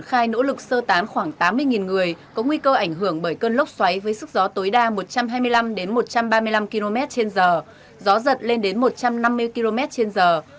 khai nỗ lực sơ tán khoảng tám mươi người có nguy cơ ảnh hưởng bởi cơn lốc xoáy với sức gió tối đa một trăm hai mươi năm một trăm ba mươi năm km trên giờ gió giật lên đến một trăm năm mươi km trên giờ